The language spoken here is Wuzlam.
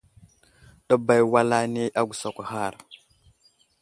Ɗəbay wal ane agusakw ghar.